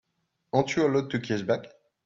Aren't you allowed to kiss back?